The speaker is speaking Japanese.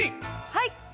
はい！